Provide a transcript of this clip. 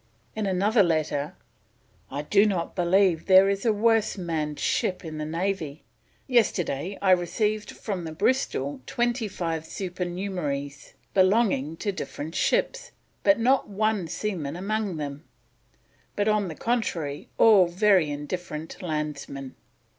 In another letter: "I do not believe there is a worse man'd ship in the Navy. Yesterday I received from the Bristol twenty five supernumeraries belonging to different ships, but not one seaman among them: but, on the contrary, all very indifferent Landsmen."